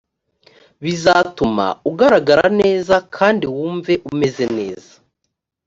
bizatuma ugaragara neza kandi wumve umeze neza